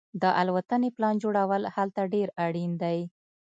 د الوتنې پلان جوړول هلته ډیر اړین دي